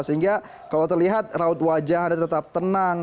sehingga kalau terlihat raut wajah anda tetap tenang